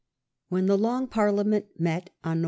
When the Long Parliament met on Nov.